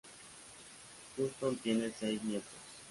Houston tiene seis nietos.